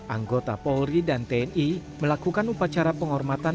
anggota polri dan tni melakukan upacara penghormatan